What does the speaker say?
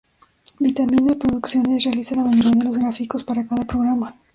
Vitamina Producciones, realiza la mayoría de los gráficos para cada programa.